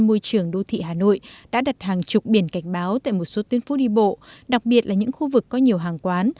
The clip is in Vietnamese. môi trường đô thị hà nội đã đặt hàng chục biển cảnh báo tại một số tuyến phố đi bộ đặc biệt là những khu vực có nhiều hàng quán